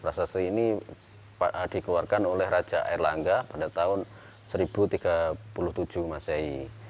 prasasti ini dikeluarkan oleh raja air langga pada tahun seribu tiga puluh tujuh masehi